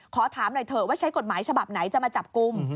ขอถามหน่อยเถอะว่าใช้กฎหมายฉบับไหนจะมาจับกลุ่ม